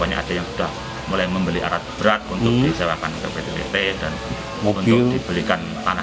kami berdua kami berdua kita berdua kita berdua kita berdua